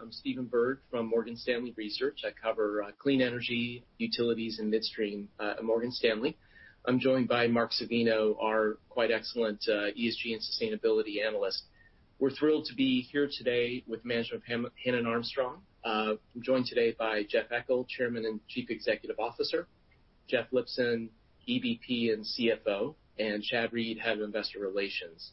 I'm Stephen Byrd from Morgan Stanley Research. I cover clean energy, utilities, and midstream at Morgan Stanley. I'm joined by Marc Pangburn, our quite excellent ESG and sustainability analyst. We're thrilled to be here today with the management of Hannon Armstrong. I'm joined today by Jeff Eckel, Chairman and Chief Executive Officer, Jeffrey Lipson, EVP and CFO, and Chad Reed, Head of Investor Relations.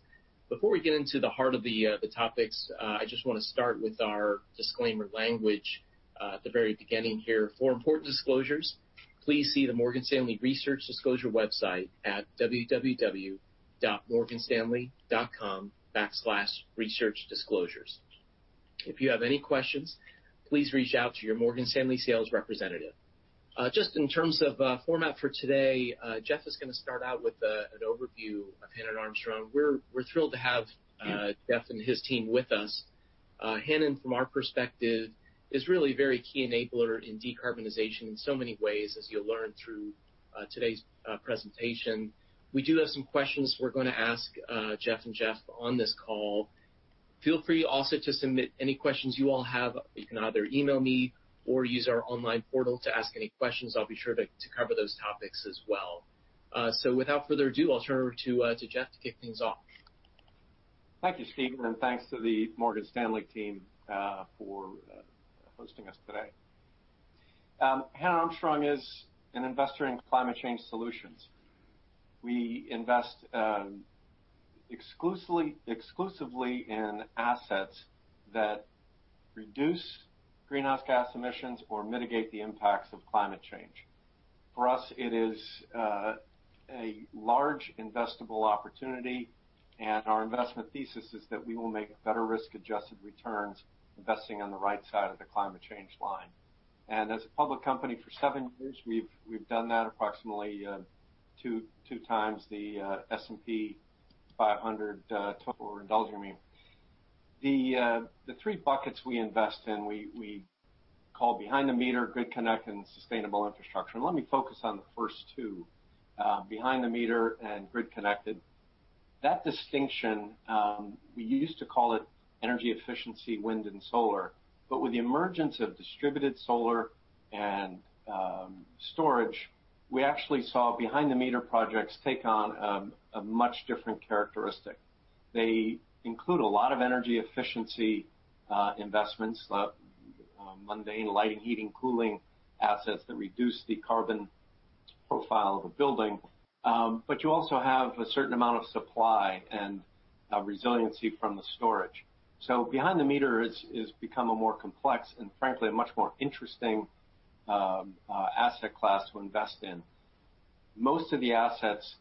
Before we get into the heart of the topics, I just want to start with our disclaimer language at the very beginning here. For important disclosures, please see the Morgan Stanley Research Disclosure website at www.morganstanley.com/researchdisclosures. If you have any questions, please reach out to your Morgan Stanley sales representative. Just in terms of format for today, Jeff is going to start out with an overview of Hannon Armstrong. We're thrilled to have Jeff and his team with us. Hannon, from our perspective, is really a very key enabler in decarbonization in so many ways, as you'll learn through today's presentation. We do have some questions we're going to ask Jeff and Jeffrey on this call. Feel free also to submit any questions you all have. You can either email me or use our online portal to ask any questions. I'll be sure to cover those topics as well. Without further ado, I'll turn it over to Jeff to kick things off. Thank you, Stephen, and thanks to the Morgan Stanley team for hosting us today. Hannon Armstrong is an investor in climate change solutions. We invest exclusively in assets that reduce greenhouse gas emissions or mitigate the impacts of climate change. For us, it is a large investable opportunity, and our investment thesis is that we will make better risk-adjusted returns investing on the right side of the climate change line. As a public company for seven years, we've done that approximately two times the S&P 500 total shareholder return. The three buckets we invest in, we call behind the meter, grid-connected, and sustainable infrastructure. Let me focus on the first two, behind the meter and grid-connected. That distinction, we used to call it energy efficiency, wind, and solar. With the emergence of distributed solar and storage, we actually saw behind-the-meter projects take on a much different characteristic. They include a lot of energy efficiency investments, mundane lighting, heating, cooling assets that reduce the carbon profile of a building. You also have a certain amount of supply and resiliency from the storage. Behind the meter has become a more complex and frankly, a much more interesting asset class to invest in. Most of the assets,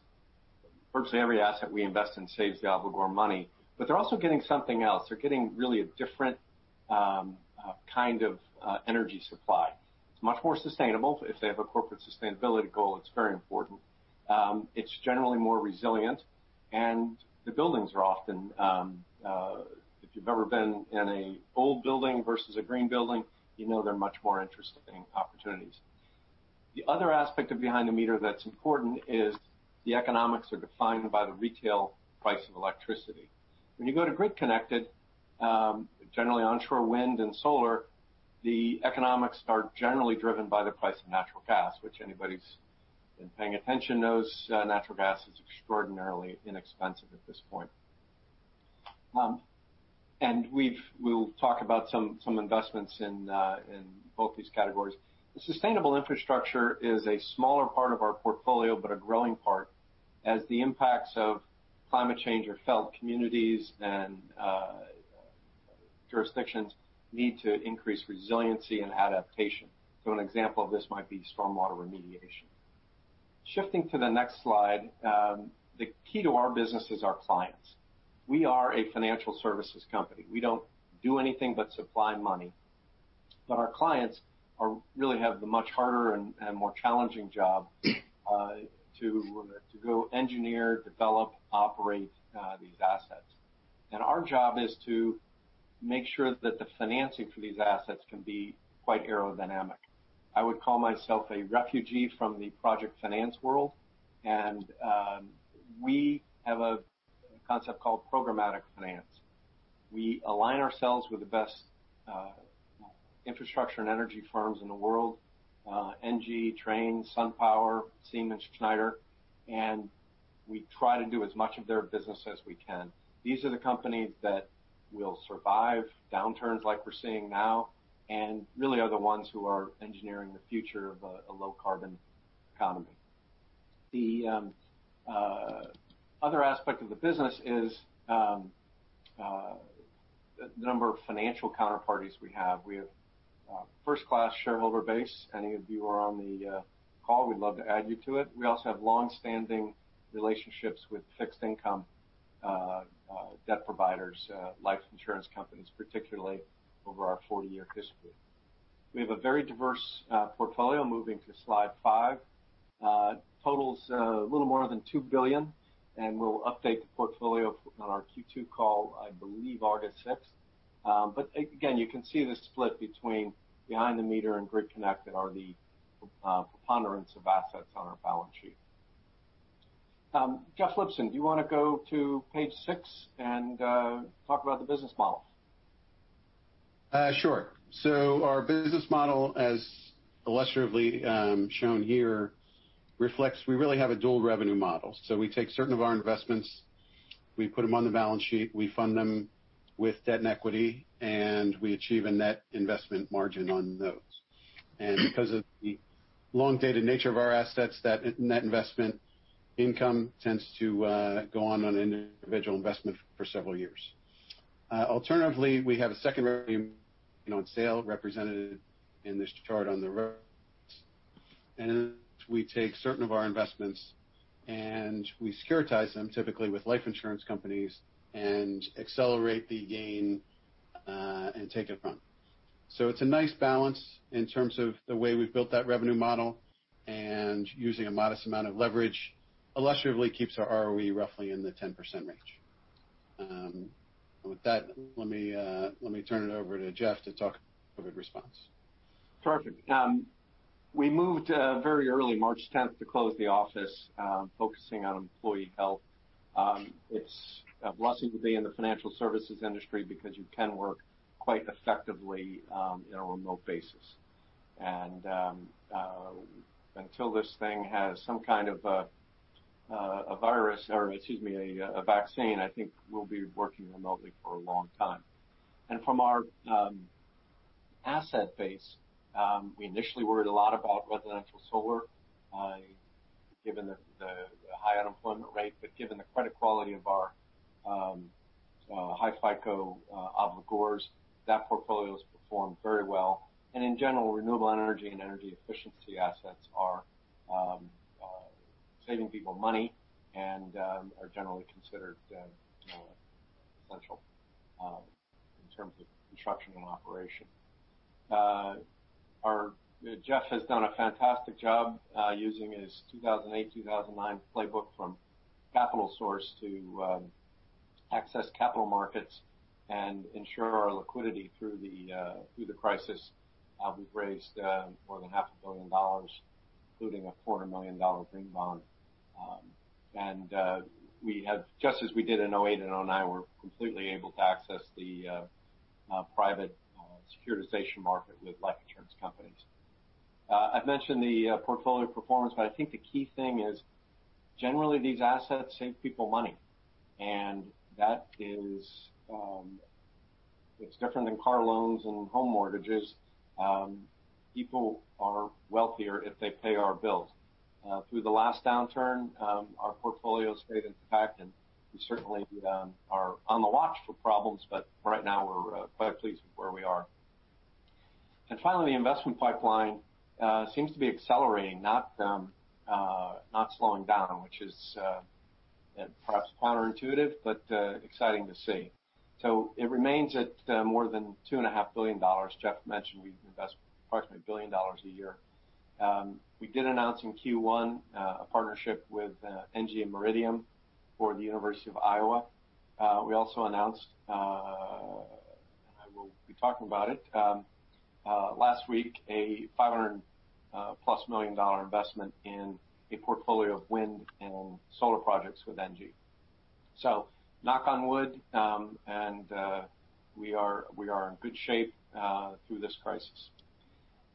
virtually every asset we invest in saves the obligor money, but they're also getting something else. They're getting really a different kind of energy supply. It's much more sustainable. If they have a corporate sustainability goal, it's very important. It's generally more resilient, and the buildings are often. If you've ever been in an old building versus a green building, you know they're much more interesting opportunities. The other aspect of behind the meter that's important is the economics are defined by the retail price of electricity. When you go to grid-connected, generally onshore wind and solar, the economics are generally driven by the price of natural gas, which anybody who's been paying attention knows natural gas is extraordinarily inexpensive at this point. We'll talk about some investments in both these categories. Sustainable infrastructure is a smaller part of our portfolio, but a growing part. As the impacts of climate change are felt, communities and jurisdictions need to increase resiliency and adaptation. An example of this might be stormwater remediation. Shifting to the next slide. The key to our business is our clients. We are a financial services company. We don't do anything but supply money. Our clients really have the much harder and more challenging job to go engineer, develop, operate these assets. Our job is to make sure that the financing for these assets can be quite aerodynamic. I would call myself a refugee from the project finance world. We have a concept called programmatic finance. We align ourselves with the best infrastructure and energy firms in the world, Engie, Trane, SunPower, Siemens, Schneider, and we try to do as much of their business as we can. These are the companies that will survive downturns like we're seeing now and really are the ones who are engineering the future of a low-carbon economy. The other aspect of the business is the number of financial counterparties we have. We have a first-class shareholder base. Any of you are on the call, we'd love to add you to it. We also have longstanding relationships with fixed-income debt providers, life insurance companies particularly, over our 40-year history. We have a very diverse portfolio. Moving to slide five. Totals a little more than $2 billion, and we'll update the portfolio on our Q2 call, I believe August 6th. Again, you can see the split between behind the meter and grid-connected are the preponderance of assets on our balance sheet. Jeff Lipson, do you want to go to page six and talk about the business model? Sure. Our business model, as illustratively shown here, reflects we really have a dual revenue model. We take certain of our investments, we put them on the balance sheet, we fund them with debt and equity, we achieve a net investment margin on those. Because of the long-dated nature of our assets, that net investment income tends to go on an individual investment for several years. Alternatively, we have a secondary gain on sale represented in this chart on the right. In this, we take certain of our investments and we securitize them typically with life insurance companies and accelerate the gain and take it from. It's a nice balance in terms of the way we've built that revenue model, and using a modest amount of leverage illustratively keeps our ROE roughly in the 10% range. With that, let me turn it over to Jeff to talk about COVID response. Perfect. We moved very early, March 10th, to close the office, focusing on employee health. It's a blessing to be in the financial services industry because you can work quite effectively in a remote basis. Until this thing has some kind of a virus or, excuse me, a vaccine, I think we'll be working remotely for a long time. From our asset base, we initially worried a lot about residential solar given the high unemployment rate. Given the credit quality of our high FICO obligors, that portfolio has performed very well. In general, renewable energy and energy efficiency assets are saving people money and are generally considered essential in terms of construction and operation. Jeff has done a fantastic job using his 2008, 2009 playbook from CapitalSource to access capital markets and ensure our liquidity through the crisis. We've raised more than half a billion dollars, including a $400 million green bond. We have, just as we did in '08 and '09, we're completely able to access the private securitization market with life insurance companies. I've mentioned the portfolio performance, I think the key thing is generally these assets save people money, that is different than car loans and home mortgages. People are wealthier if they pay our bills. Through the last downturn, our portfolio stayed intact, we certainly are on the watch for problems, right now we're quite pleased with where we are. Finally, the investment pipeline seems to be accelerating, not slowing down, which is perhaps counterintuitive but exciting to see. It remains at more than $2.5 billion. Jeff mentioned we invest approximately a billion dollars a year. We did announce in Q1 a partnership with Engie and Meridiam for the University of Iowa. We also announced, and I will be talking about it, last week, a $500-plus million investment in a portfolio of wind and solar projects with Engie. Knock on wood, we are in good shape through this crisis.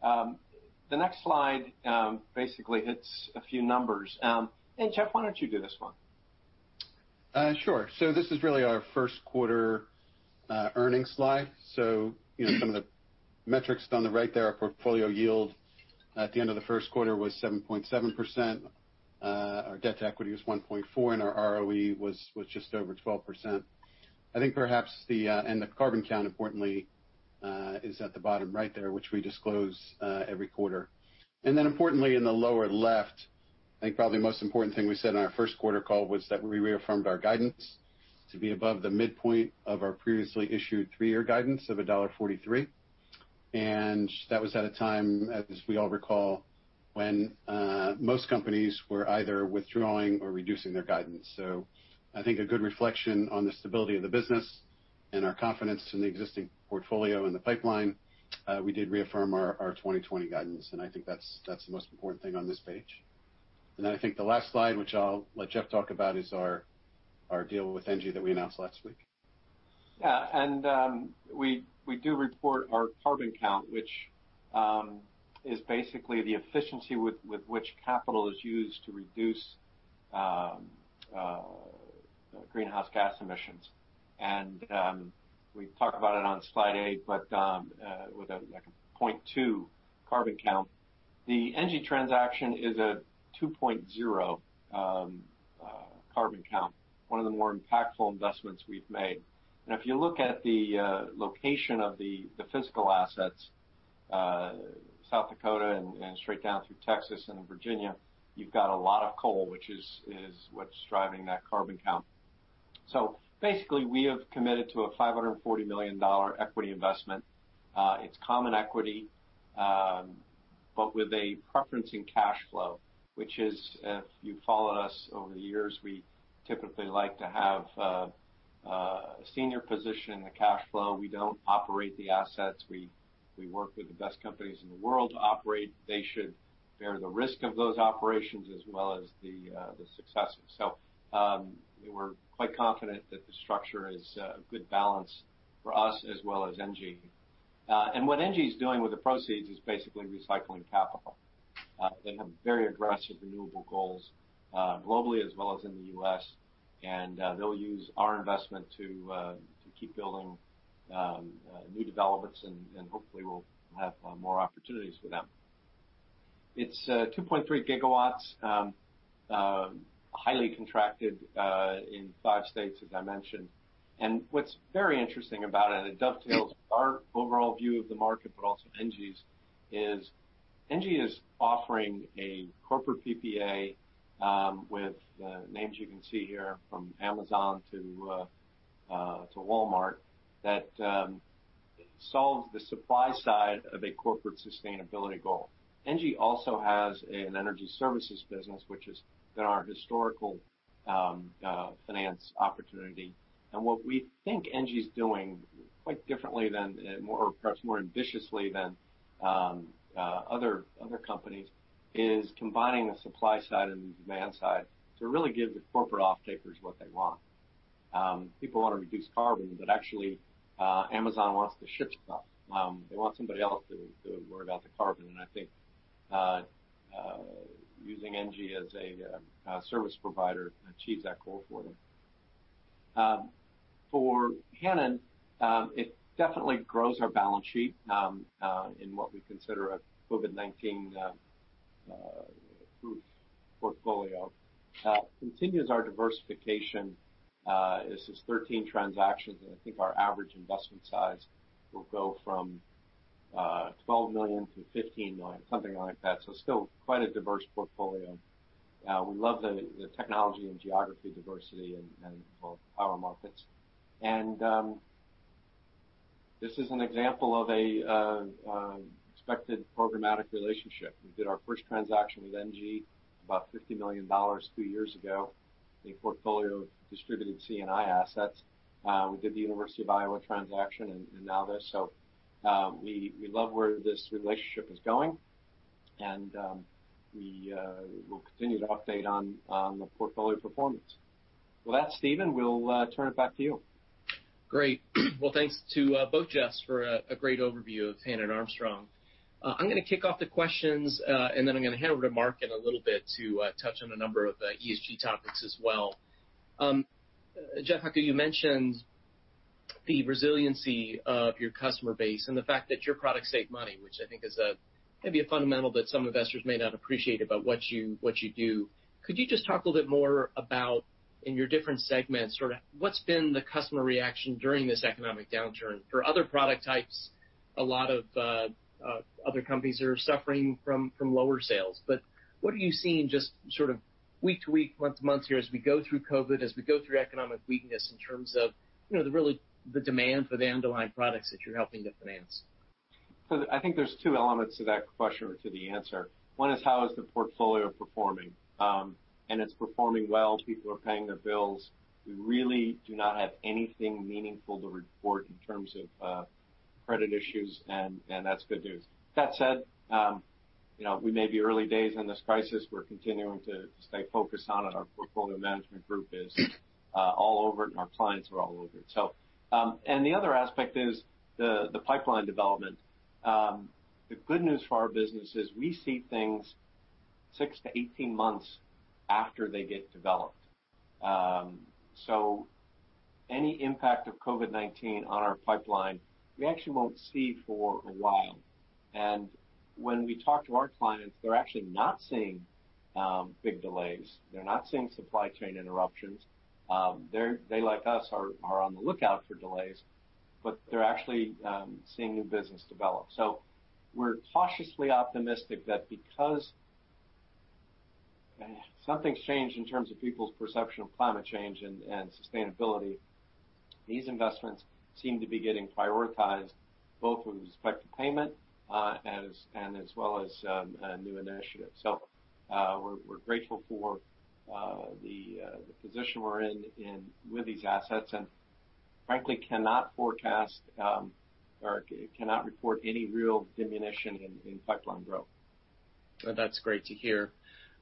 The next slide basically hits a few numbers. Jeff, why don't you do this one? Sure. This is really our first quarter earnings slide. Some of the metrics on the right there, our portfolio yield at the end of the first quarter was 7.7%. Our debt to equity was 1.4 and our ROE was just over 12%. The CarbonCount, importantly, is at the bottom right there, which we disclose every quarter. Then importantly in the lower left, I think probably the most important thing we said on our first quarter call was that we reaffirmed our guidance to be above the midpoint of our previously issued three-year guidance of $1.43. That was at a time, as we all recall, when most companies were either withdrawing or reducing their guidance. I think a good reflection on the stability of the business and our confidence in the existing portfolio and the pipeline. We did reaffirm our 2020 guidance, I think that's the most important thing on this page. I think the last slide, which I'll let Jeff talk about, is our deal with NG that we announced last week. Yeah. We do report our CarbonCount, which is basically the efficiency with which capital is used to reduce greenhouse gas emissions. We talk about it on slide eight, but with a 0.2 CarbonCount. The NG transaction is a 2.0 CarbonCount, one of the more impactful investments we've made. If you look at the location of the physical assets, South Dakota and straight down through Texas and Virginia, you've got a lot of coal, which is what's driving that CarbonCount. Basically, we have committed to a $540 million equity investment. It's common equity, but with a preference in cash flow, which is, if you followed us over the years, we typically like to have a senior position in the cash flow. We don't operate the assets. We work with the best companies in the world to operate. They should bear the risk of those operations as well as the successes. We're quite confident that the structure is a good balance for us as well as NG. What NG's doing with the proceeds is basically recycling capital. They have very aggressive renewable goals globally as well as in the U.S., they'll use our investment to keep building new developments, and hopefully we'll have more opportunities with them. It's 2.3 gigawatts, highly contracted, in five states, as I mentioned. What's very interesting about it dovetails our overall view of the market, but also NG's, is NG is offering a corporate PPA, with names you can see here from Amazon to Walmart that solves the supply side of a corporate sustainability goal. NG also has an energy services business, which has been our historical finance opportunity. What we think Engie's doing quite differently than, or perhaps more ambitiously than other companies, is combining the supply side and the demand side to really give the corporate off-takers what they want. People want to reduce carbon, but actually, Amazon wants to ship stuff. They want somebody else to worry about the carbon. I think using Engie as a service provider achieves that goal for them. For Hannon, it definitely grows our balance sheet in what we consider a COVID-19-proof portfolio. Continues our diversification. This is 13 transactions, and I think our average investment size will go from $12 million to $15 million, something like that. It's still quite a diverse portfolio. We love the technology and geography diversity and for power markets. This is an example of an expected programmatic relationship. We did our first transaction with Engie, about $50 million a few years ago, a portfolio of distributed C&I assets. We did the University of Iowa transaction and now this. We love where this relationship is going, and we will continue to update on the portfolio performance. With that, Stephen, we'll turn it back to you. Great. Thanks to both Jeffs for a great overview of Hannon Armstrong. I'm going to kick off the questions, and then I'm going to hand it over to Mark in a little bit to touch on a number of ESG topics as well. Jeff Eckel, you mentioned the resiliency of your customer base and the fact that your products save money, which I think is maybe a fundamental that some investors may not appreciate about what you do. Could you just talk a little bit more about, in your different segments, what's been the customer reaction during this economic downturn? For other product types, a lot of other companies are suffering from lower sales. What are you seeing just sort of week-to-week, month-to-month here as we go through COVID, as we go through economic weakness in terms of really the demand for the underlying products that you're helping to finance? I think there's two elements to that question or to the answer. One is how is the portfolio performing? It's performing well. People are paying their bills. We really do not have anything meaningful to report in terms of credit issues. That's good news. That said, we may be early days in this crisis. We're continuing to stay focused on it. Our portfolio management group is all over it, and our clients are all over it. The other aspect is the pipeline development. The good news for our business is we see things 6 to 18 months after they get developed. Any impact of COVID-19 on our pipeline, we actually won't see for a while. When we talk to our clients, they're actually not seeing big delays. They're not seeing supply chain interruptions. They, like us, are on the lookout for delays, they're actually seeing new business develop. We're cautiously optimistic that because something's changed in terms of people's perception of climate change and sustainability, these investments seem to be getting prioritized both with respect to payment and as well as new initiatives. We're grateful for the position we're in with these assets and frankly, cannot forecast or cannot report any real diminution in pipeline growth. That's great to hear.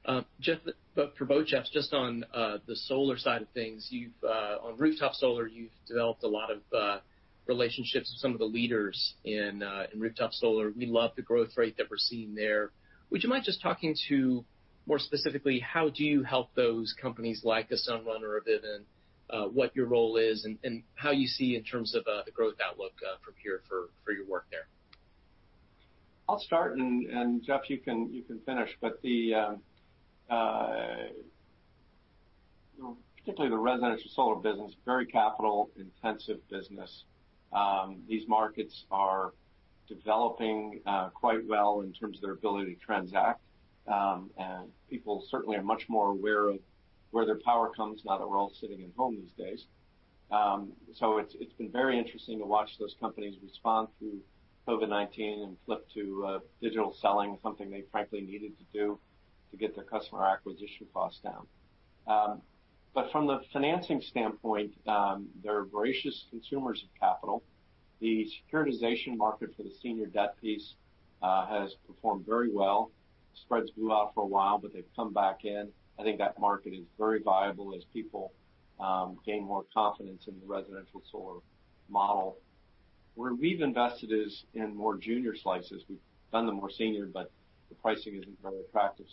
For both Jeffs, just on the solar side of things, on rooftop solar, you've developed a lot of relationships with some of the leaders in rooftop solar. We love the growth rate that we're seeing there. Would you mind just talking to more specifically, how do you help those companies like a Sunrun or a Vivint, what your role is and how you see in terms of the growth outlook from here for your work there? I'll start, Jeff, you can finish. Particularly the residential solar business, very capital-intensive business. These markets are developing quite well in terms of their ability to transact. People certainly are much more aware of where their power comes now that we're all sitting at home these days. It's been very interesting to watch those companies respond through COVID-19 and flip to digital selling, something they frankly needed to do to get their customer acquisition costs down. From the financing standpoint, they're voracious consumers of capital. The securitization market for the senior debt piece has performed very well. Spreads blew out for a while, they've come back in. I think that market is very viable as people gain more confidence in the residential solar model. Where we've invested is in more junior slices. We've done the more senior, but the pricing isn't very attractive.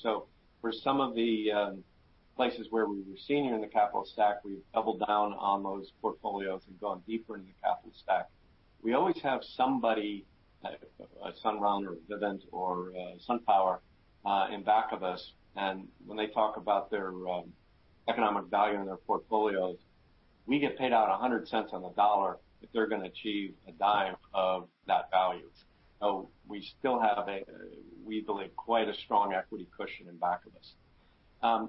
For some of the places where we were senior in the capital stack, we've doubled down on those portfolios and gone deeper into the capital stack. We always have somebody, Sunrun or Vivint or SunPower, in back of us. When they talk about their economic value in their portfolios, we get paid out $1.00 on the dollar if they're going to achieve $0.10 of that value. We still have, we believe, quite a strong equity cushion in back of us.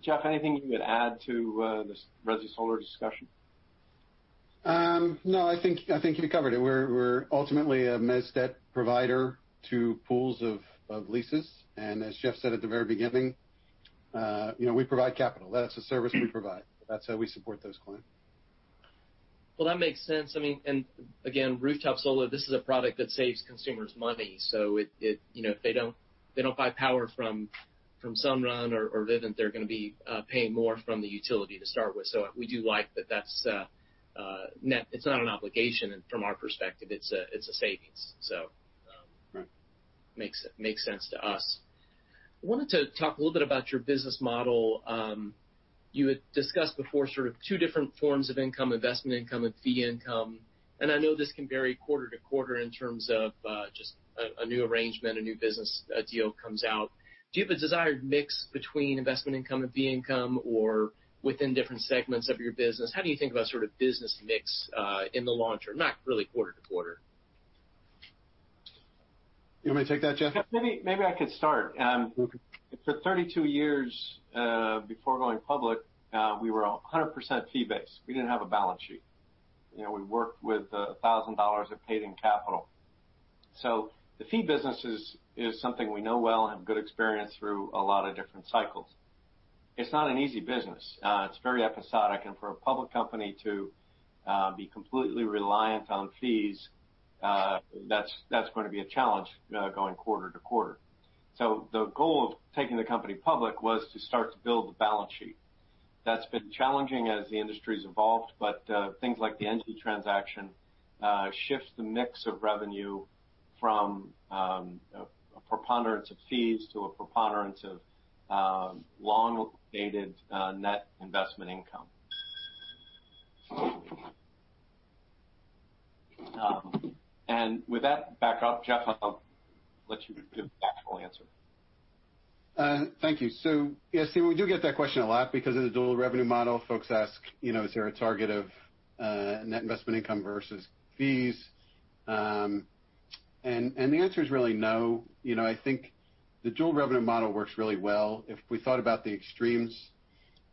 Jeff, anything you would add to this resi solar discussion? No, I think you covered it. We're ultimately a mezzanine debt provider to pools of leases. As Jeff said at the very beginning, we provide capital. That's a service we provide. That's how we support those clients. Well, that makes sense. Again, rooftop solar, this is a product that saves consumers money. If they don't buy power from Sunrun or Vivint, they're going to be paying more from the utility to start with. We do like that that's not an obligation from our perspective, it's a savings. Right makes sense to us. I wanted to talk a little bit about your business model. You had discussed before sort of two different forms of income, investment income and fee income. I know this can vary quarter to quarter in terms of just a new arrangement, a new business deal comes out. Do you have a desired mix between investment income and fee income or within different segments of your business? How do you think about sort of business mix in the long term, not really quarter to quarter? You want me to take that, Jeff? Maybe I could start. Okay. For 32 years before going public, we were 100% fee-based. We didn't have a balance sheet. We worked with $1,000 of paid-in capital. The fee business is something we know well and have good experience through a lot of different cycles. It's not an easy business. It's very episodic. For a public company to be completely reliant on fees, that's going to be a challenge going quarter to quarter. The goal of taking the company public was to start to build the balance sheet. That's been challenging as the industry's evolved, but things like the Engie transaction shifts the mix of revenue from a preponderance of fees to a preponderance of long-dated net investment income. With that backup, Jeff, I'll let you give the actual answer. Thank you. Yes, we do get that question a lot because of the dual revenue model. Folks ask, is there a target of net investment income versus fees? The answer is really no. I think the dual revenue model works really well. If we thought about the extremes,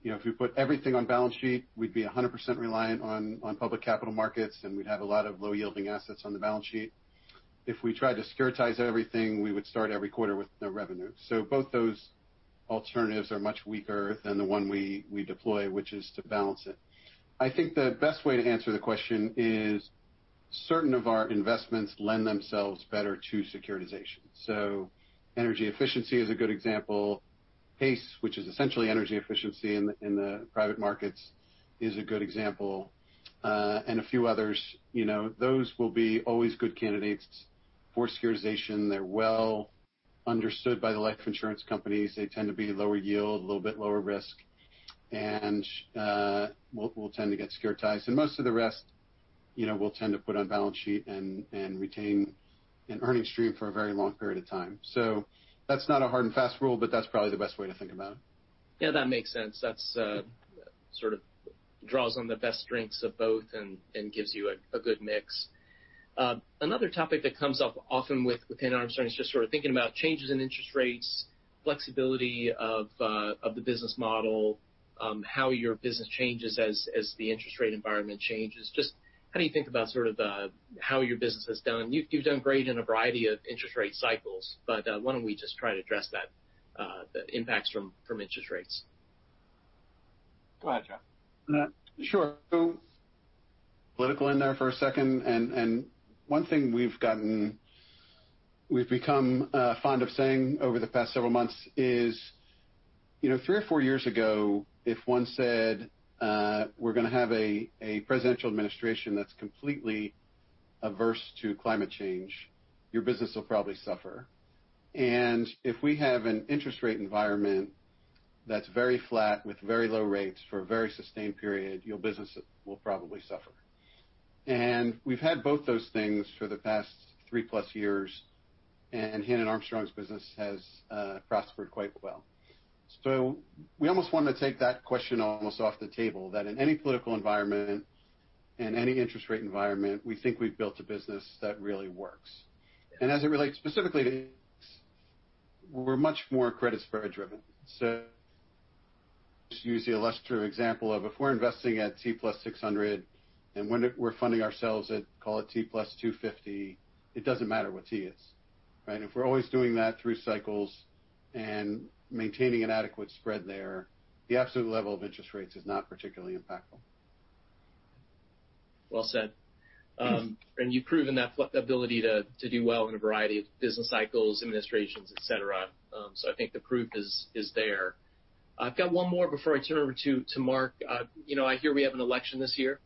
if we put everything on balance sheet, we'd be 100% reliant on public capital markets, and we'd have a lot of low-yielding assets on the balance sheet. If we tried to securitize everything, we would start every quarter with no revenue. Both those alternatives are much weaker than the one we deploy, which is to balance it. I think the best way to answer the question is certain of our investments lend themselves better to securitization. Energy efficiency is a good example. PACE, which is essentially energy efficiency in the private markets, is a good example. A few others. Those will be always good candidates for securitization. They're well understood by the life insurance companies. They tend to be lower yield, a little bit lower risk, and will tend to get securitized. Most of the rest, we'll tend to put on balance sheet and retain an earning stream for a very long period of time. That's not a hard and fast rule, but that's probably the best way to think about it. That makes sense. That sort of draws on the best strengths of both and gives you a good mix. Another topic that comes up often within Armstrong is just sort of thinking about changes in interest rates, flexibility of the business model, how your business changes as the interest rate environment changes. How do you think about sort of how your business has done? You've done great in a variety of interest rate cycles, but why don't we just try to address the impacts from interest rates? Go ahead, Jeff. Sure. Political in there for a second, one thing we've become fond of saying over the past several months is three or four years ago, if one said, we're going to have a presidential administration that's completely averse to climate change, your business will probably suffer. If we have an interest rate environment that's very flat with very low rates for a very sustained period, your business will probably suffer. We've had both those things for the past three-plus years, and Hannon Armstrong's business has prospered quite well. We almost want to take that question almost off the table, that in any political environment, in any interest rate environment, we think we've built a business that really works. As it relates specifically to this, we're much more credit spread driven. Just use the illustrative example of if we're investing at T + 600, and when we're funding ourselves at, call it T + 250, it doesn't matter what T is. If we're always doing that through cycles and maintaining an adequate spread there, the absolute level of interest rates is not particularly impactful. Well said. You've proven that ability to do well in a variety of business cycles, administrations, et cetera. I think the proof is there. I've got one more before I turn it over to Mark. I hear we have an election this year.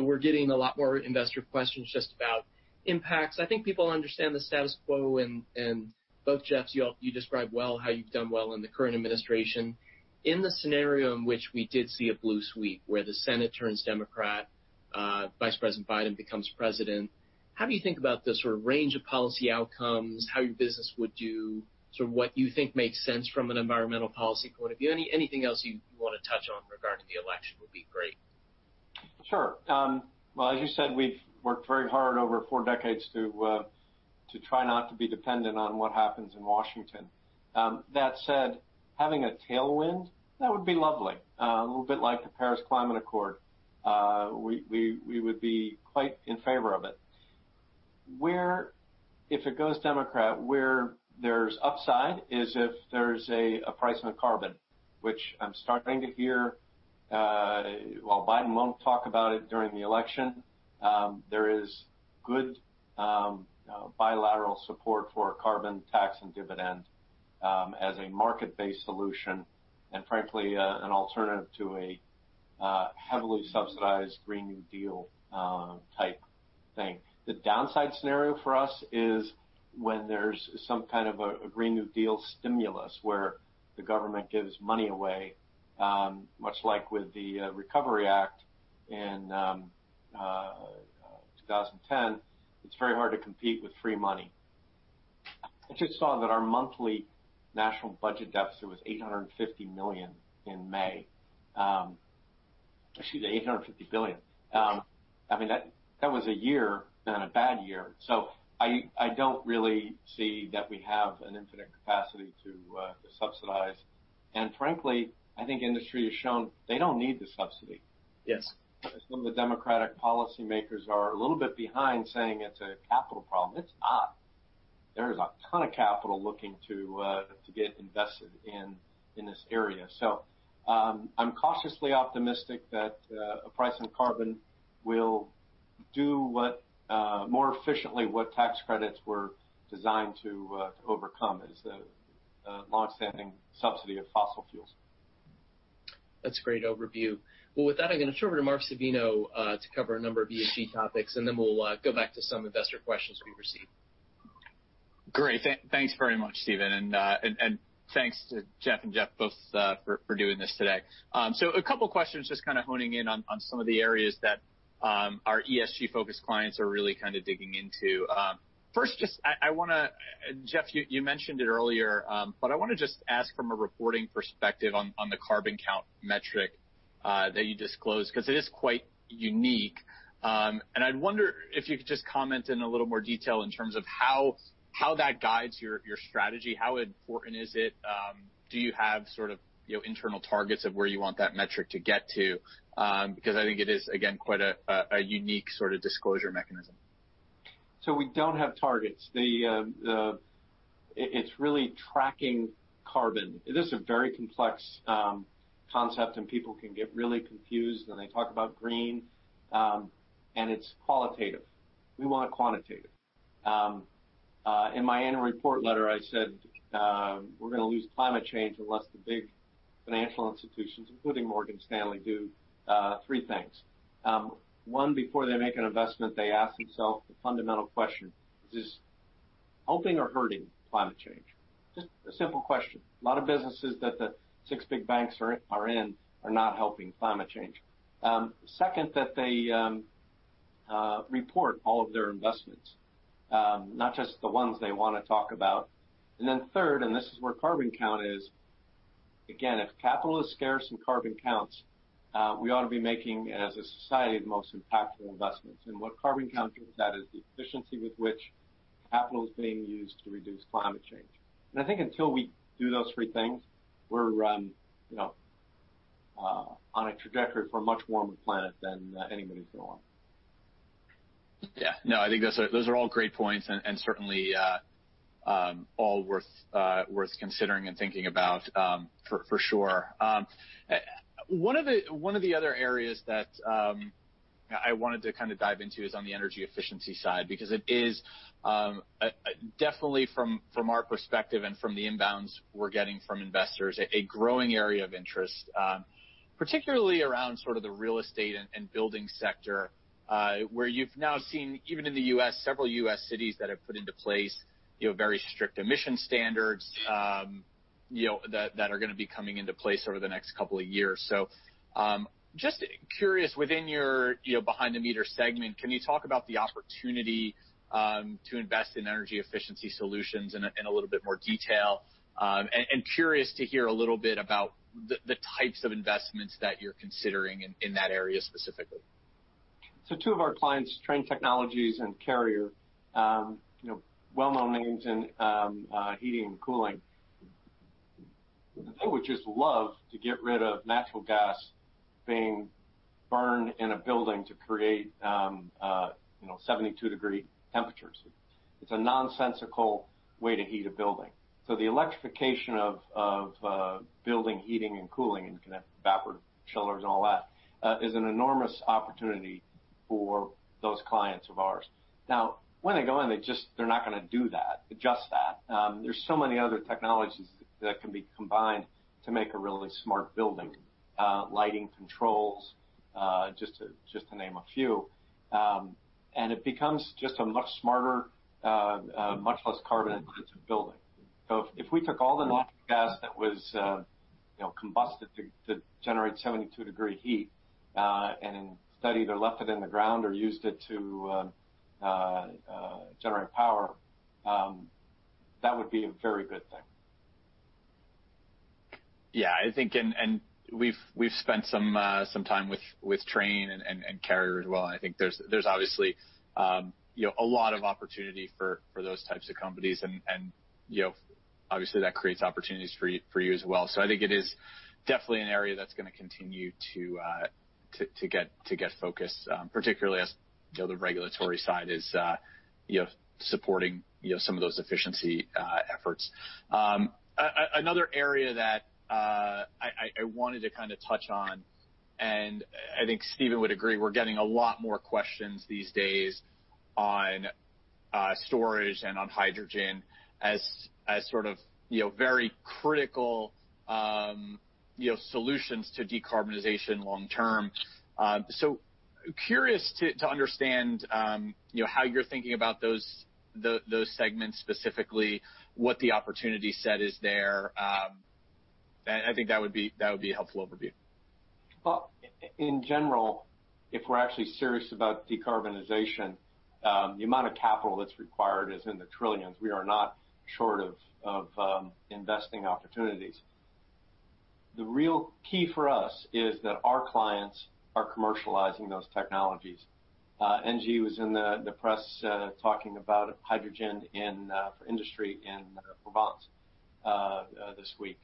We're getting a lot more investor questions just about impacts. I think people understand the status quo and both Jeffs, you describe well how you've done well in the current administration. In the scenario in which we did see a blue sweep where the Senate turns Democrat, Vice President Biden becomes president, how do you think about the sort of range of policy outcomes, how your business would do, sort of what you think makes sense from an environmental policy point of view? Anything else you want to touch on regarding the election would be great. Sure. Well, as you said, we've worked very hard over four decades to try not to be dependent on what happens in Washington. That said, having a tailwind, that would be lovely. A little bit like the Paris Agreement. We would be quite in favor of it. If it goes Democrat, where there's upside is if there's a price on carbon, which I'm starting to hear, while Biden won't talk about it during the election, there is good bilateral support for a carbon tax and dividend as a market-based solution and frankly, an alternative to a heavily subsidized Green New Deal type thing. The downside scenario for us is when there's some kind of a Green New Deal stimulus where the government gives money away, much like with the Recovery Act in 2010. It's very hard to compete with free money. I just saw that our monthly national budget deficit was $850 million in May. Excuse me, $850 billion. That was a year, and a bad year. I don't really see that we have an infinite capacity to subsidize. Frankly, I think industry has shown they don't need the subsidy. Yes. Some of the Democratic policymakers are a little bit behind saying it's a capital problem. It's not. There is a ton of capital looking to get invested in this area. I'm cautiously optimistic that a price on carbon will do more efficiently what tax credits were designed to overcome as a longstanding subsidy of fossil fuels. That's a great overview. With that, I'm going to turn it over to Mark Savino to cover a number of ESG topics, and then we'll go back to some investor questions we've received. Great. Thanks very much, Stephen. Thanks to Jeff and Jeff both for doing this today. A couple of questions just kind of honing in on some of the areas that our ESG-focused clients are really kind of digging into. First, Jeff, you mentioned it earlier, but I want to just ask from a reporting perspective on the CarbonCount metric that you disclosed, because it is quite unique. I wonder if you could just comment in a little more detail in terms of how that guides your strategy. How important is it? Do you have sort of internal targets of where you want that metric to get to? Because I think it is, again, quite a unique sort of disclosure mechanism. We don't have targets. It's really tracking carbon. It is a very complex concept, and people can get really confused when they talk about green, and it's qualitative. We want it quantitative. In my annual report letter, I said we're going to lose climate change unless the big financial institutions, including Morgan Stanley, do three things. One, before they make an investment, they ask themselves the fundamental question, is this helping or hurting climate change? Just a simple question. A lot of businesses that the six big banks are in are not helping climate change. Second, that they report all of their investments, not just the ones they want to talk about. Third, and this is where CarbonCount is, again, if capital is scarce and carbon counts, we ought to be making, as a society, the most impactful investments. What CarbonCount is, that is the efficiency with which capital is being used to reduce climate change. I think until we do those three things, we're on a trajectory for a much warmer planet than anybody's going to want. No, I think those are all great points and certainly all worth considering and thinking about for sure. One of the other areas that I wanted to kind of dive into is on the energy efficiency side, because it is definitely from our perspective and from the inbounds we're getting from investors, a growing area of interest. Particularly around sort of the real estate and building sector, where you've now seen, even in the U.S., several U.S. cities that have put into place very strict emission standards that are going to be coming into place over the next couple of years. Just curious within your behind the meter segment, can you talk about the opportunity to invest in energy efficiency solutions in a little bit more detail? Curious to hear a little bit about the types of investments that you're considering in that area specifically. Two of our clients, Trane Technologies and Carrier, well-known names in heating and cooling. They would just love to get rid of natural gas being burned in a building to create 72-degree temperatures. It's a nonsensical way to heat a building. The electrification of building heating and cooling, and connected backward chillers and all that, is an enormous opportunity for those clients of ours. When they go in, they're not going to do just that. There's so many other technologies that can be combined to make a really smart building. Lighting controls, just to name a few. It becomes just a much smarter, much less carbon-intensive building. If we took all the natural gas that was combusted to generate 72-degree heat and instead either left it in the ground or used it to generate power, that would be a very good thing. We've spent some time with Trane and Carrier as well, and I think there's obviously a lot of opportunity for those types of companies and obviously that creates opportunities for you as well. I think it is definitely an area that's going to continue to get focus, particularly as the regulatory side is supporting some of those efficiency efforts. Another area that I wanted to touch on, and I think Stephen would agree, we're getting a lot more questions these days on storage and on hydrogen as very critical solutions to decarbonization long term. Curious to understand how you're thinking about those segments specifically, what the opportunity set is there. I think that would be a helpful overview. In general, if we're actually serious about decarbonization, the amount of capital that's required is in the trillions. We are not short of investing opportunities. The real key for us is that our clients are commercializing those technologies. Engie was in the press, talking about hydrogen for industry in Provence this week.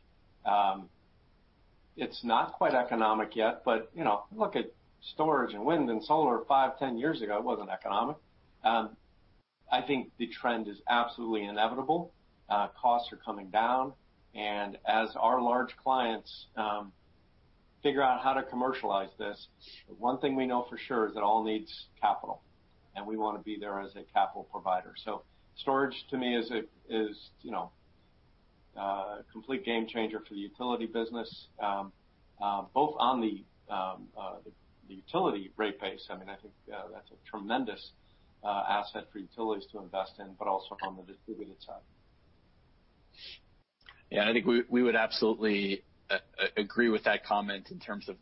It's not quite economic yet, but look at storage and wind and solar 5, 10 years ago, it wasn't economic. I think the trend is absolutely inevitable. Costs are coming down and as our large clients figure out how to commercialize this, one thing we know for sure is it all needs capital, and we want to be there as a capital provider. Storage, to me, is a complete game changer for the utility business, both on the utility rate base, I think that's a tremendous asset for utilities to invest in, but also on the distributed side. Yeah, I think we would absolutely agree with that comment in terms of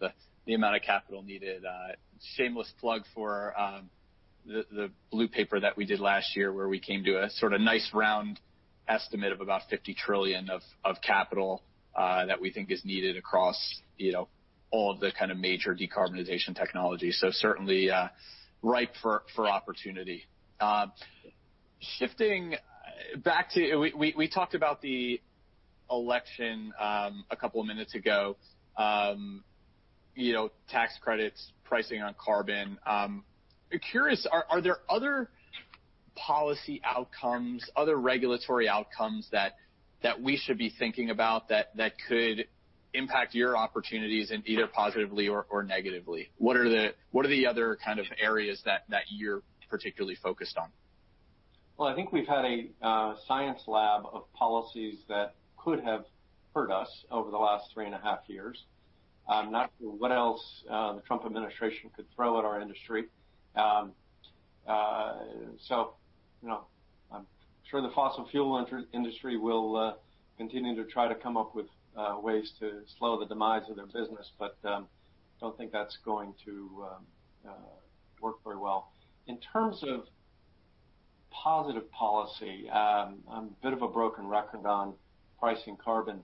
the amount of capital needed. Shameless plug for the blue paper that we did last year, where we came to a nice round estimate of about 50 trillion of capital that we think is needed across all the major decarbonization technology. Certainly, ripe for opportunity. Shifting back to, we talked about the election a couple of minutes ago. Tax credits, pricing on carbon. Curious, are there other policy outcomes, other regulatory outcomes that we should be thinking about that could impact your opportunities in either positively or negatively? What are the other areas that you're particularly focused on? I think we've had a science lab of policies that could have hurt us over the last three and a half years. I'm not sure what else the Trump administration could throw at our industry. I'm sure the fossil fuel industry will continue to try to come up with ways to slow the demise of their business, but I don't think that's going to work very well. In terms of positive policy, I'm a bit of a broken record on pricing carbon.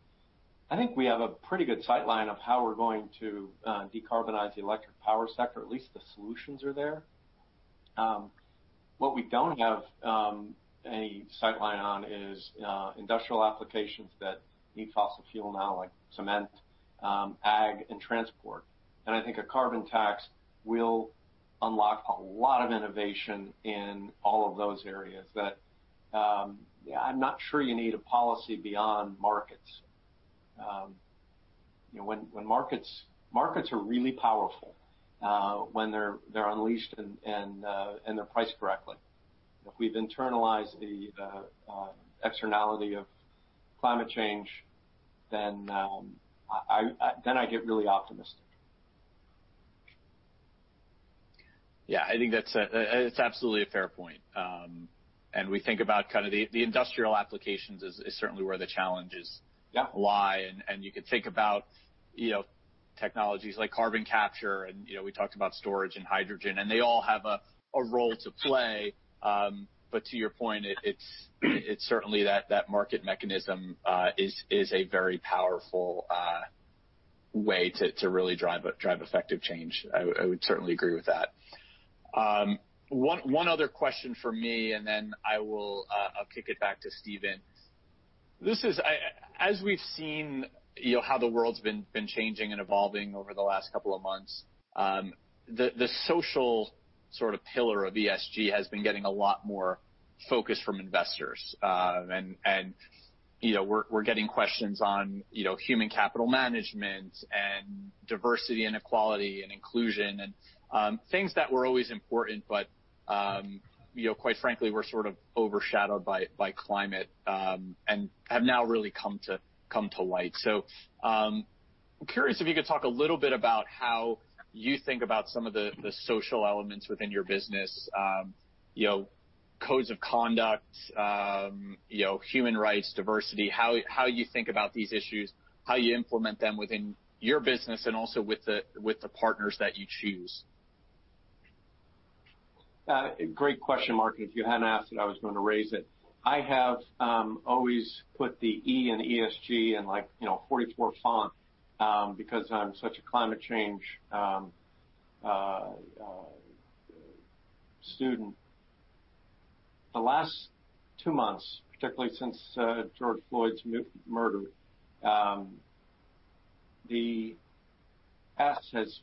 I think we have a pretty good sight line of how we're going to decarbonize the electric power sector. At least the solutions are there. What we don't have any sight line on is industrial applications that need fossil fuel now, like cement, ag, and transport. I think a carbon tax will unlock a lot of innovation in all of those areas that I'm not sure you need a policy beyond markets. Markets are really powerful, when they're unleashed and they're priced correctly. I get really optimistic. Yeah, I think that's absolutely a fair point. We think about the industrial applications is certainly where the challenges. Yeah lie. You could think about technologies like carbon capture and we talked about storage and hydrogen, and they all have a role to play. To your point, it's certainly that market mechanism is a very powerful way to really drive effective change. I would certainly agree with that. One other question from me, then I will kick it back to Stephen. As we've seen how the world's been changing and evolving over the last couple of months, the social sort of pillar of ESG has been getting a lot more focus from investors. We're getting questions on human capital management and diversity and equality and inclusion, and things that were always important, but quite frankly, were sort of overshadowed by climate, and have now really come to light. I'm curious if you could talk a little bit about how you think about some of the social elements within your business. Codes of conduct, human rights, diversity, how you think about these issues, how you implement them within your business and also with the partners that you choose. Great question, Mark. If you hadn't asked it, I was going to raise it. I have always put the E in ESG in like 44 font, because I'm such a climate change student. The last two months, particularly since George Floyd's murder, the S has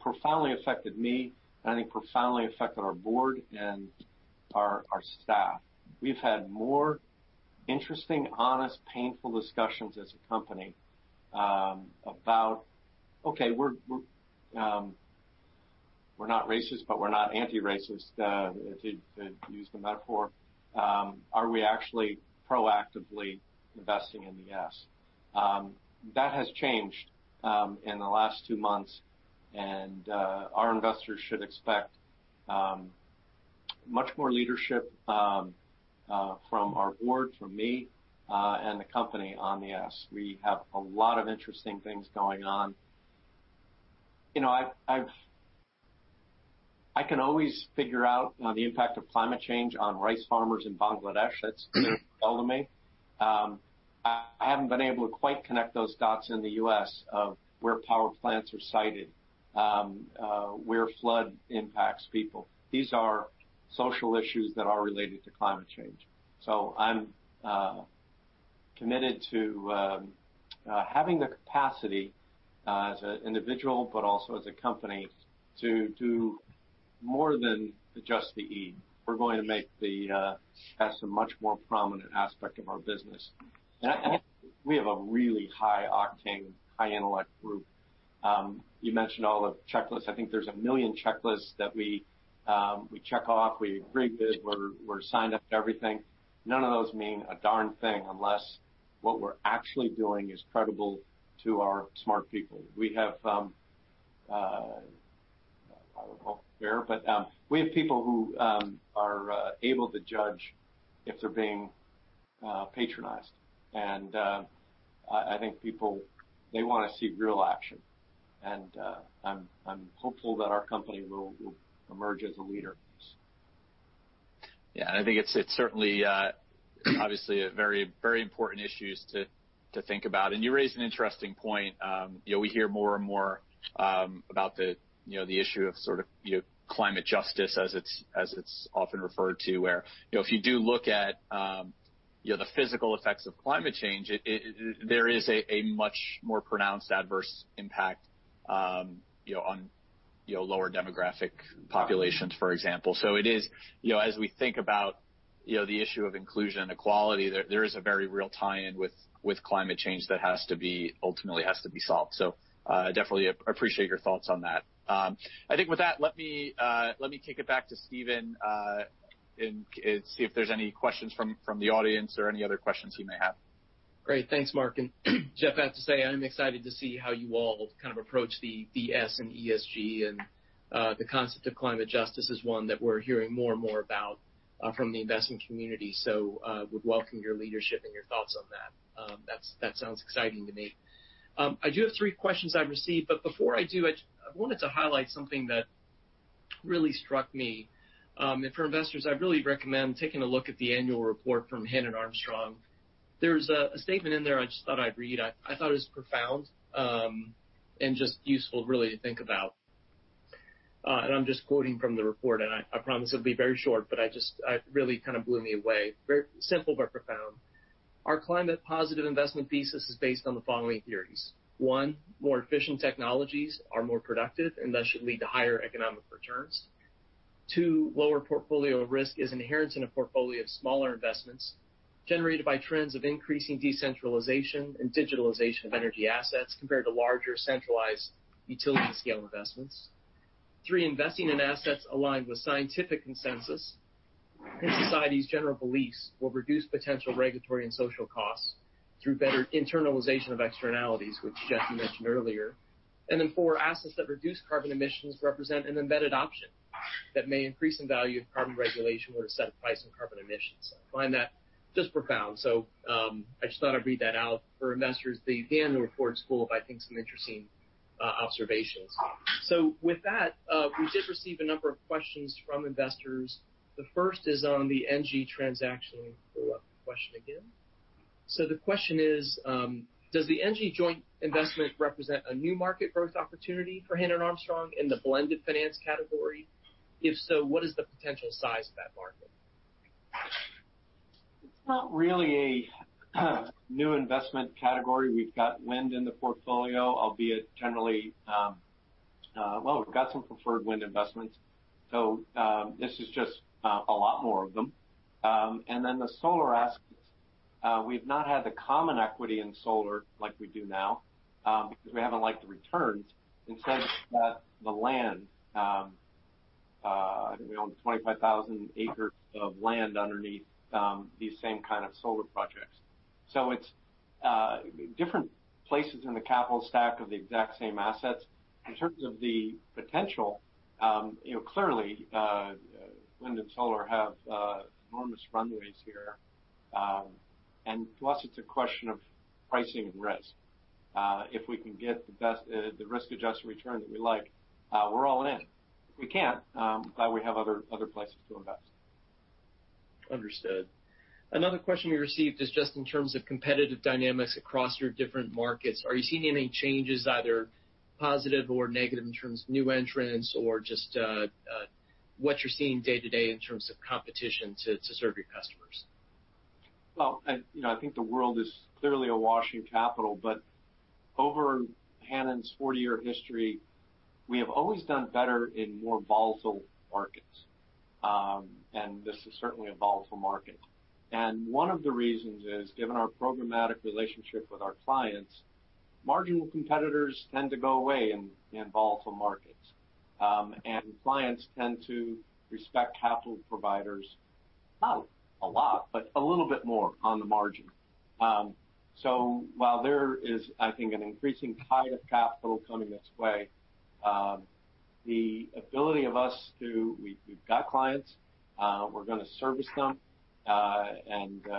profoundly affected me, and I think profoundly affected our board and our staff. We've had more interesting, honest, painful discussions as a company about, okay, we're not racist, but we're not anti-racist, to use the metaphor. Are we actually proactively investing in the S? That has changed in the last two months, and our investors should expect much more leadership from our board, from me, and the company on the S. We have a lot of interesting things going on. I can always figure out the impact of climate change on rice farmers in Bangladesh. That's clear to me. I haven't been able to quite connect those dots in the U.S. of where power plants are sited, where flood impacts people. These are social issues that are related to climate change. I'm committed to having the capacity as an individual, but also as a company, to do more than just the E. We're going to make the S a much more prominent aspect of our business. I think we have a really high-octane, high-intellect group. You mentioned all the checklists. I think there's a million checklists that we check off. We agree to this. We're signed up for everything. None of those mean a darn thing unless what we're actually doing is credible to our smart people. We have, I don't know, fair, but we have people who are able to judge if they're being patronized. I think people want to see real action. I'm hopeful that our company will emerge as a leader in this. Yeah. I think it's certainly obviously a very important issue to think about. You raised an interesting point. We hear more and more about the issue of climate justice as it's often referred to, where if you do look at the physical effects of climate change, there is a much more pronounced adverse impact on lower demographic populations, for example. As we think about the issue of inclusion and equality, there is a very real tie-in with climate change that ultimately has to be solved. Definitely appreciate your thoughts on that. I think with that, let me kick it back to Stephen and see if there's any questions from the audience or any other questions you may have. Great. Thanks, Mark Savino. Jeff, I have to say, I'm excited to see how you all kind of approach the S in ESG and the concept of climate justice is one that we're hearing more and more about from the investment community. Would welcome your leadership and your thoughts on that. That sounds exciting to me. I do have three questions I've received, but before I do, I wanted to highlight something that really struck me. For investors, I'd really recommend taking a look at the annual report from Hannon Armstrong. There's a statement in there I just thought I'd read. I thought it was profound and just useful, really, to think about. I'm just quoting from the report, and I promise it'll be very short, but it just really kind of blew me away. Very simple, but profound. Our climate positive investment thesis is based on the following theories. One, more efficient technologies are more productive and thus should lead to higher economic returns. Two, lower portfolio risk is inherent in a portfolio of smaller investments generated by trends of increasing decentralization and digitalization of energy assets compared to larger, centralized utility-scale investments. Three, investing in assets aligned with scientific consensus and society's general beliefs will reduce potential regulatory and social costs through better internalization of externalities," which Jeff, you mentioned earlier. Then four, "Assets that reduce carbon emissions represent an embedded option that may increase in value if carbon regulation were to set a price on carbon emissions." I find that just profound. I just thought I'd read that out for investors. The annual report's full of, I think, some interesting observations. With that, we did receive a number of questions from investors. The first is on the Engie transaction. Let me pull up the question again. The question is, does the Engie joint investment represent a new market growth opportunity for Hannon Armstrong in the blended finance category? If so, what is the potential size of that market? It's not really a new investment category. We've got wind in the portfolio, albeit generally, we've got some preferred wind investments. This is just a lot more of them. Then the solar assets, we've not had the common equity in solar like we do now, because we haven't liked the returns. Instead, we bought the land. I think we own 25,000 acres of land underneath these same kind of solar projects. It's different places in the capital stack of the exact same assets. In terms of the potential, clearly, wind and solar have enormous runways here. Plus, it's a question of pricing and risk. If we can get the risk-adjusted return that we like, we're all in. If we can't, glad we have other places to invest. Understood. Another question we received is just in terms of competitive dynamics across your different markets. Are you seeing any changes, either positive or negative, in terms of new entrants or just what you're seeing day to day in terms of competition to serve your customers? Well, I think the world is clearly awash in capital, but over Hannon's 40-year history, we have always done better in more volatile markets. This is certainly a volatile market. One of the reasons is, given our programmatic relationship with our clients, marginal competitors tend to go away in volatile markets. Clients tend to respect capital providers, not a lot, but a little bit more on the margin. While there is, I think, an increasing tide of capital coming this way, We've got clients. We're going to service them and do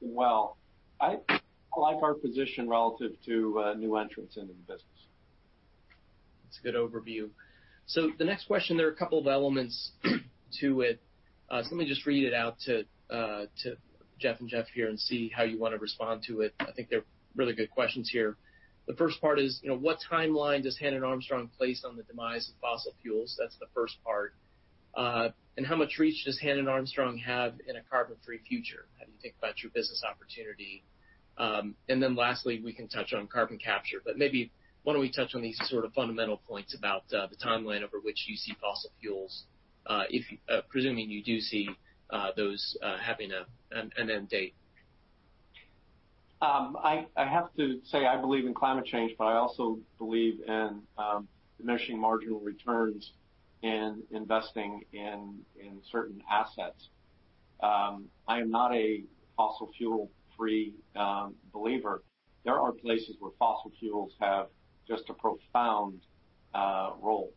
well. I like our position relative to new entrants into the business. That's a good overview. The next question, there are a couple of elements to it. Let me just read it out to Jeff and Jeff here and see how you want to respond to it. I think they're really good questions here. The first part is, what timeline does Hannon Armstrong place on the demise of fossil fuels? That's the first part. How much reach does Hannon Armstrong have in a carbon-free future? How do you think about your business opportunity? Then lastly, we can touch on carbon capture, but maybe why don't we touch on these sort of fundamental points about the timeline over which you see fossil fuels, presuming you do see those having an end date. I have to say, I believe in climate change, but I also believe in diminishing marginal returns in investing in certain assets. I am not a fossil fuel free believer. There are places where fossil fuels have just a profound role.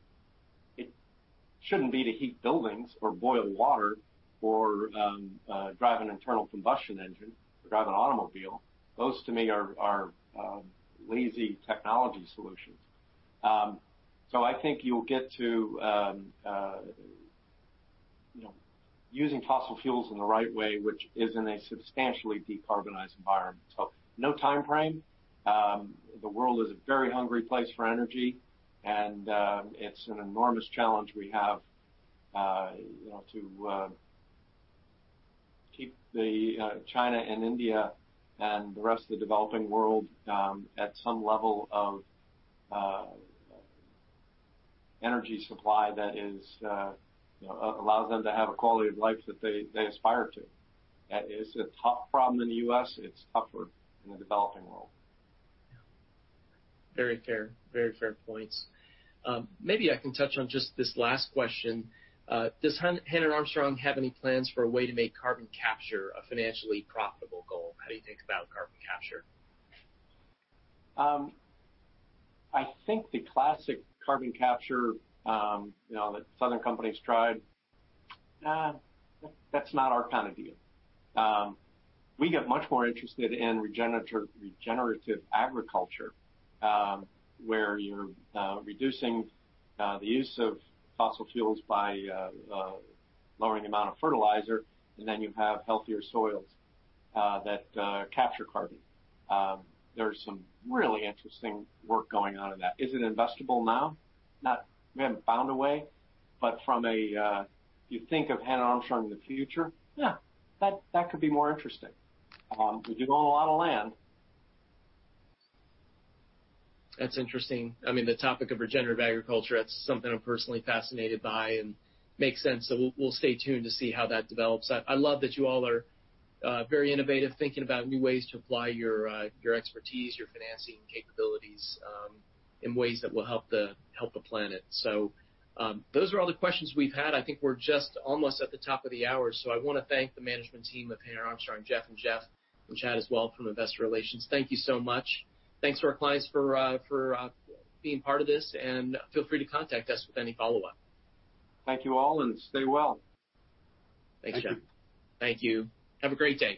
It shouldn't be to heat buildings or boil water or drive an internal combustion engine or drive an automobile. Those, to me, are lazy technology solutions. I think you'll get to using fossil fuels in the right way, which is in a substantially decarbonized environment. No timeframe. The world is a very hungry place for energy, and it's an enormous challenge we have to keep China and India and the rest of the developing world at some level of energy supply that allows them to have a quality of life that they aspire to. It's a tough problem in the U.S. It's tougher in the developing world. Yeah. Very fair points. Maybe I can touch on just this last question. Does Hannon Armstrong have any plans for a way to make carbon capture a financially profitable goal? How do you think about carbon capture? I think the classic carbon capture that southern companies tried, that's not our kind of deal. We get much more interested in regenerative agriculture, where you're reducing the use of fossil fuels by lowering the amount of fertilizer, and then you have healthier soils that capture carbon. There's some really interesting work going on in that. Is it investable now? Not. We haven't found a way, but from a, you think of Hannon Armstrong in the future, yeah, that could be more interesting. We do own a lot of land. That's interesting. The topic of regenerative agriculture, that's something I'm personally fascinated by and makes sense. We'll stay tuned to see how that develops. I love that you all are very innovative, thinking about new ways to apply your expertise, your financing capabilities in ways that will help the planet. Those are all the questions we've had. I think we're just almost at the top of the hour. I want to thank the management team of Hannon Armstrong, Jeff and Jeff, and Chad as well from Investor Relations. Thank you so much. Thanks to our clients for being part of this, and feel free to contact us with any follow-up. Thank you all and stay well. Thanks, Jeff. Thank you. Thank you. Have a great day.